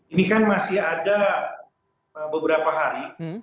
ini kan masih ada beberapa hari